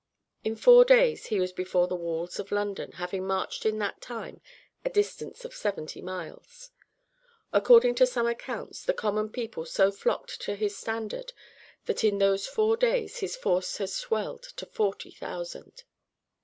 In four days he was before the walls of London, having marched in that time a distance of seventy miles. According to some accounts, the common people so flocked to his standard, that in those four days his force had swelled to forty thousand.